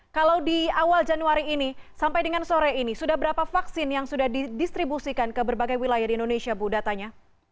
kalau di awal januari ini sampai dengan sore ini sudah berapa vaksin yang sudah didistribusikan ke berbagai wilayah di indonesia bu datanya